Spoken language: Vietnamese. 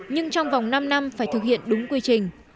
nhưng trong vòng năm năm phải thực hiện đúng quy trình